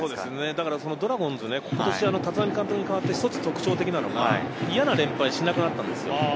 ドラゴンズ今年、立浪監督に代わって一つ特徴なのが嫌な連敗をしなくなったんですよ。